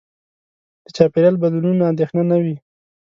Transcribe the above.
د چاپېریال بدلونونو اندېښنه نه وي.